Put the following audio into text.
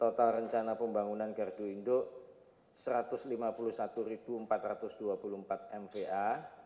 total rencana pembangunan gardu induk satu ratus lima puluh satu empat ratus dua puluh empat mva